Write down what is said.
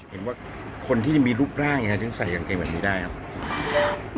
เห็นว่าคนที่จะมีรูปร่างยังไงถึงใส่กางเกงแบบนี้ได้ครับ